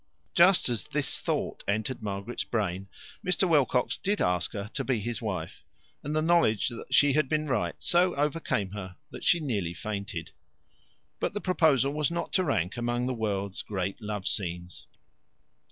Just as this thought entered Margaret's brain, Mr. Wilcox did ask her to be his wife, and the knowledge that she had been right so overcame her that she nearly fainted. But the proposal was not to rank among the world's great love scenes.